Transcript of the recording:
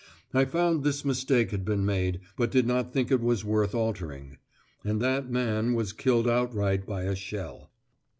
I found this mistake had been made, but did not think it was worth altering. And that man was killed outright by a shell.